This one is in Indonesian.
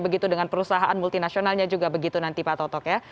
begitu dengan perusahaan multinasionalnya juga begitu nanti pak totok ya